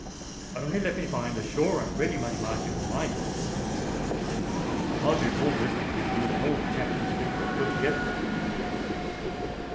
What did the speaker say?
"Only let me find a sure and ready money market for my goods," exclaimed Tom Rain, "and I'll do more business with you than all the chaps you speak of put together."